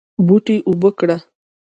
بوټي اوبه کړه